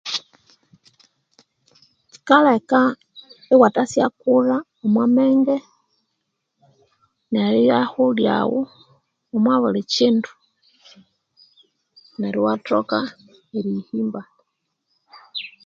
Kyikaleka iwatasyakula omwamenge neribyahu lyaghu omobulikindu nero iwatoka eriyihimba